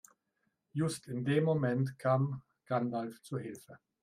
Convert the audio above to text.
Just in dem Moment kam Gandalf zu Hilfe.